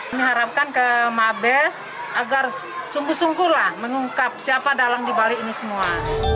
kami harapkan ke mabes agar sungguh sungguhlah mengungkap siapa dalang dibalik ini semua